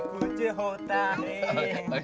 oke udah udah udah